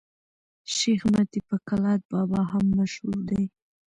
شېخ متي په کلات بابا هم مشهور دئ.